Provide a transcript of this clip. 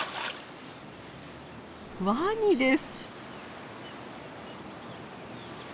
ワニです。